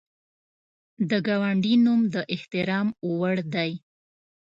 د ګاونډي نوم د احترام وړ دی